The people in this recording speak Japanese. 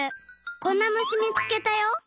こんな虫みつけたよ！